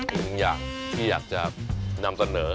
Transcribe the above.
หนึ่งอย่างที่อยากจะนำเสนอ